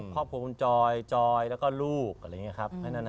ครอบครัวคุณจอยจอยแล้วก็ลูกอะไรอย่างนี้ครับ